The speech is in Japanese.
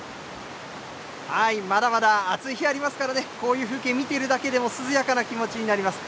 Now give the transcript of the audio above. まだまだ暑い日ありますからね、こういう風景、見ているだけでも涼やかな気持ちになります。